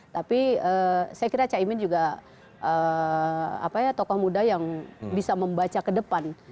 tapi saya kira caimin juga tokoh muda yang bisa membaca ke depan